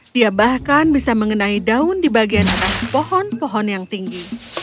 dia bahkan bisa mengenai daun di bagian atas pohon pohon yang tinggi